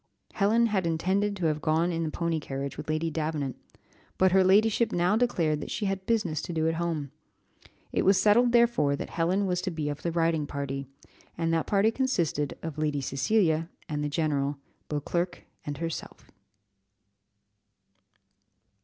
Helen had intended to have gone in the pony carriage with Lady Davenant, but her ladyship now declared that she had business to do at home; it was settled therefore that Helen was to be of the riding party, and that party consisted of Lady Cecilia and the general, Beauclerc and herself.